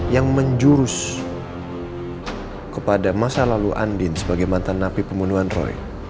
yang menjurus kepada masa lalu andin sebagai mantan napi pembunuhan roy